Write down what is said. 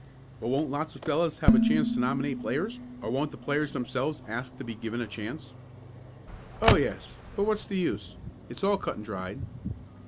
"Well, won't lots of fellows have a chance to nominate players, or won't the players themselves ask to be given a chance?" "Oh, yes, but what's the use? It's all cut and dried."